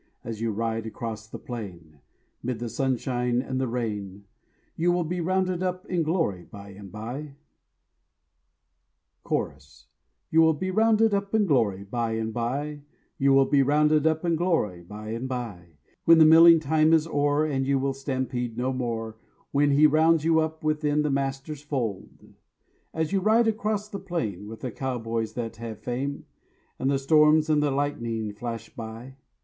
As you ride across the plain, 'Mid the sunshine and the rain, You will be rounded up in glory bye and bye. Chorus: You will be rounded up in glory bye and bye, You will be rounded up in glory bye and bye, When the milling time is o'er And you will stampede no more, When he rounds you up within the Master's fold. As you ride across the plain With the cowboys that have fame, And the storms and the lightning flash by.